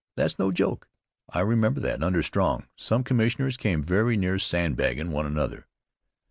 That's no joke. I remember that, under Strong, some commissioners came very near sandbaggin' one another.